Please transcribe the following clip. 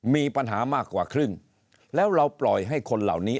มีปัญหามากกว่าครึ่งแล้วเราปล่อยให้คนเหล่านี้